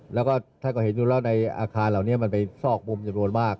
แล้วก็ท่านก็เห็นอยู่แล้วในอาคารเหล่านี้มันเป็นซอกมุมจำนวนมาก